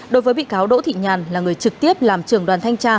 đối với bị cáo đỗ thị nhàn là người trực tiếp làm trường đoàn thanh tra